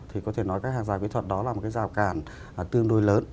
thì có thể nói các hàng rào kỹ thuật đó là một cái rào cản tương đối lớn